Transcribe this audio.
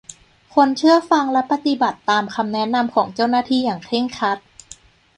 ควรเชื่อฟังและปฏิบัติตามคำแนะนำของเจ้าหน้าที่อย่างเคร่งครัด